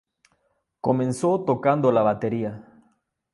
Comenzó tocando la batería.